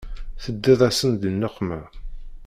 Teddiḍ-asen di nneqma.